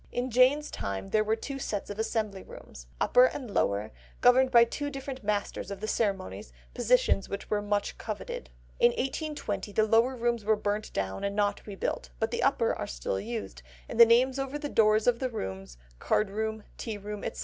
In Jane's time there were two sets of Assembly Rooms, upper and lower, governed by two different masters of the ceremonies, positions which were much coveted. In 1820 the Lower Rooms were burnt down and not rebuilt, but the Upper are still used, and the names over the doors of the rooms, Card room, Tea room, etc.